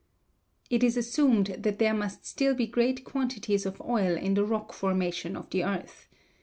It is assumed that there must still be great quantities of oil in the rock formation of the earth.